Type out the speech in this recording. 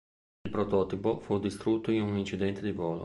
Il prototipo fu distrutto in un incidente di volo.